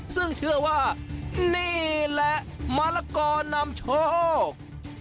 ซึ่งเชื่อว่านี่แหละมะละกอนำโชค